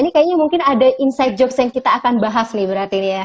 ini kayaknya mungkin ada inside jokes yang kita akan bahas nih berarti